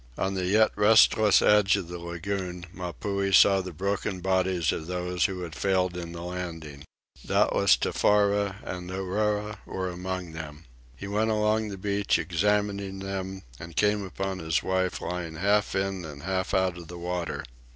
On the yet restless edge of the lagoon, Mapuhi saw the broken bodies of those that had failed in the landing. Undoubtedly Tefara and Nauri were among them. He went along the beach examining them, and came upon his wife, lying half in and half out of the water.